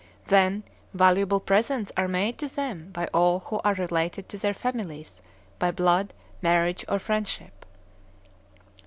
Then valuable presents are made to them by all who are related to their families by blood, marriage, or friendship.